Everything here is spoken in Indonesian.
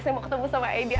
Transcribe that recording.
saya mau ketemu sama aby